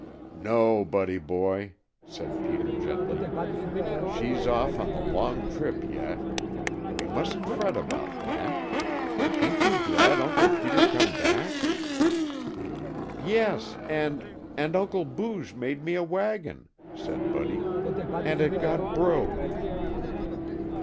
"No, Buddy boy," said Peter gently. "She's off on the long trip yet. We mustn't fret about that. Ain't you glad Uncle Peter come back?" "Yes and and Uncle Booge made me a wagon," said Buddy, "and it got broke."